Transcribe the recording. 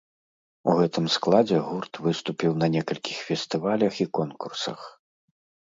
У гэтым складзе гурт выступіў на некалькіх фестывалях і конкурсах.